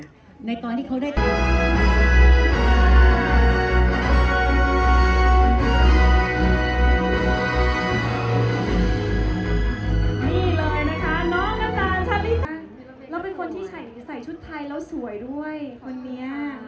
ฉันเป็นคนที่ใส่ชุดไทยแล้วสวยด้วยคนนี้